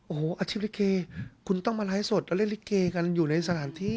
โอ้โหอาชีพลิเกคุณต้องมาไลฟ์สดแล้วเล่นลิเกกันอยู่ในสถานที่